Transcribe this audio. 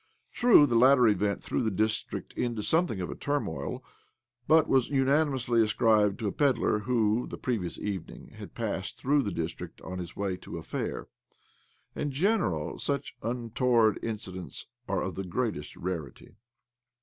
True, the latter event threw the district into something of a turmoil, but was unanimously ascribed to a pedlar who, the previous evening, had passed through the «district on his way to a fair. In general, such untoward incidents are of the greatest rarity.